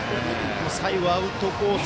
最後、アウトコース